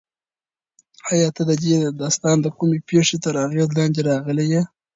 ایا ته د دې داستان د کومې پېښې تر اغېز لاندې راغلی یې؟